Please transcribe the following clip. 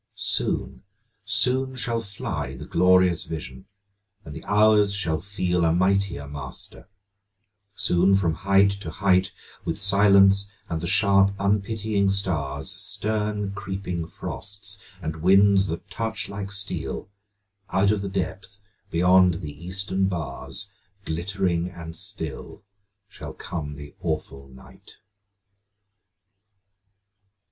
Soon, soon shall fly The glorious vision, and the hours shall feel A mightier master; soon from height to height, With silence and the sharp unpitying stars, Stern creeping frosts, and winds that touch like steel, Out of the depth beyond the eastern bars, Glittering and still shall come the awful night.